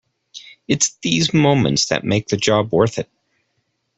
It's these moments that make the job worth it.